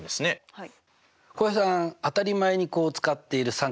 はい。